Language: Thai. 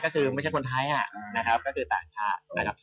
สุดท้ายก็คือต่างชาติ